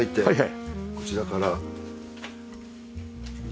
こちらから。